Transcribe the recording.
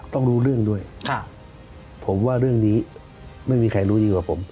รู้เรื่องด้วยผมว่าเรื่องนี้ไม่มีใครรู้ดีกว่าผม